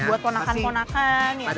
buat konakan konakan ya kan